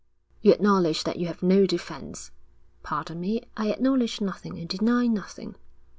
'You acknowledge that you have no defence.' 'Pardon me, I acknowledge nothing and deny nothing.'